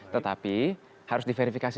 tetapi harus diverifikasi